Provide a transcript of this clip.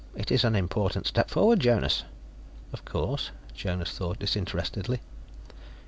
It is an important step forward, Jonas." "Of course," Jonas thought disinterestedly.